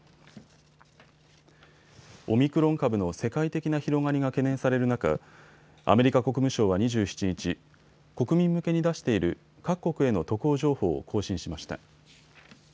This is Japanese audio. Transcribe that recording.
オミクロン株の世界的な広がりが懸念される中、アメリカ国務省は２７日、国民向けに出している各国への渡航情報を更新しました。